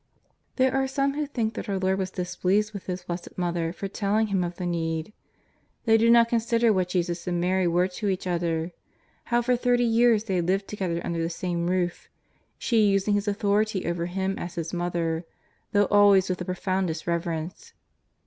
There are some who think that our Lord was dis pleased with His Blessed Mother for telling Him of the need. Thej do not consider what Jesus and Mary were to each other ; how for thirty years they had lived together under the same roof, she using her authority over Him as His Mother, though always with the pro foundest reverence.